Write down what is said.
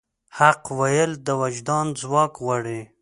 حق ویل د وجدان ځواک غواړي.